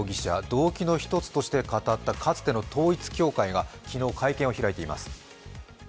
動機の一つとして語ったかつての統一教会が昨日、会見を開いています。